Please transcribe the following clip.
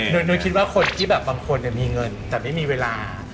นุ้ยคิดว่าคนที่แบบบางคนมีเงินแต่ไม่มีเวลา